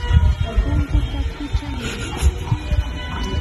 Punkuta kitramuy.